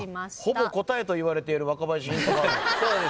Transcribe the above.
ほぼ答えといわれている若林ヒントカード。